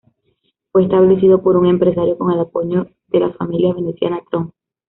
Fue establecido por un empresario con el apoyo de la familia veneciana Tron.